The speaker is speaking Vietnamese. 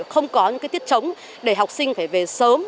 không có những cái tiết chống để học sinh phải về sớm